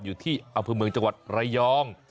อยู่ที่อำเภอเมืองจังหวัดระยอง